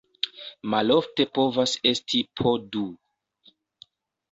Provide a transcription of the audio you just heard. Malofte povas esti po du.